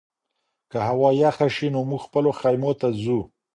که هوا یخه شي نو موږ خپلو خیمو ته ځو.